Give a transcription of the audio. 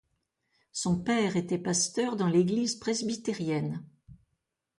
Son père était pasteur dans l'Église presbytérienne.